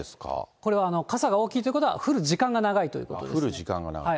これは傘が大きいということは、降る時間が長いということで降る時間が長い。